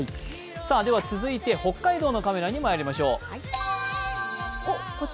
続いて北海道のカメラにまいりましょう。